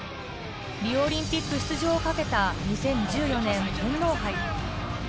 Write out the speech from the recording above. リオオリンピック出場を懸けた２０１４年天皇杯。